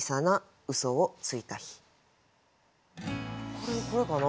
これはこれかな？